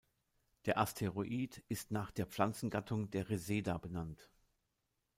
Der Asteroid ist nach der Pflanzengattung der Reseda benannt.